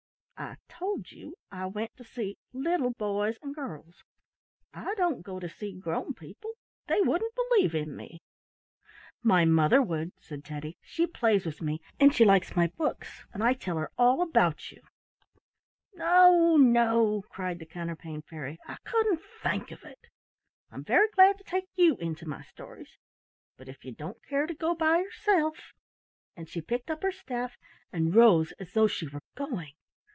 "I told you I went to see little boys and girls. I don't go to see grown people. They wouldn't believe in me." "My mother would," said Teddy. "She plays with me and she likes my books and I tell her all about you." "No, no!" cried the Counterpane Fairy, "I couldn't think of it. I'm very glad to take you into my stories, but if you don't care to go by yourself —" and she picked up her staff and rose as though she were going.